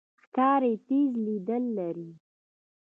ښکاري تیز لید لري.